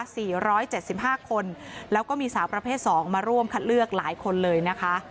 สี่ร้อยเจ็ดสิบห้าคนแล้วก็มีสาวประเภทสองมาร่วมคัดเลือกหลายคนเลยนะคะ